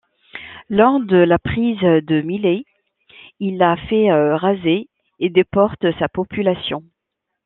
Lors de la prise de Milet, il la fait raser et déporte sa population.